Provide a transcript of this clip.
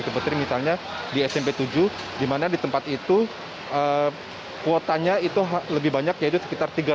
seperti misalnya di smp tujuh di mana di tempat itu kuotanya itu lebih banyak yaitu sekitar tiga ratus